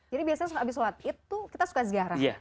jadi biasanya abis sholat itu kita suka ziarah